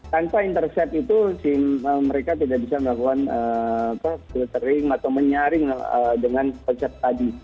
tanpa intercept itu mereka tidak bisa melakukan filtering atau menyaring dengan konsep tadi